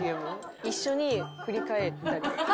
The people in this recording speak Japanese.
一緒に振り返ったりとか。